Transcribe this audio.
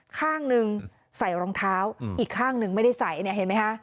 ข้างหนึ่งใส่รองเท้าอีกข้างหนึ่งไม่ได้ใส่เนี่ยเห็นไหมคะ